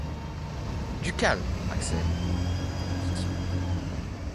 Du calme, Axel, dit-il.